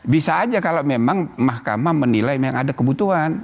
bisa aja kalau memang mahkamah menilai ada kebutuhan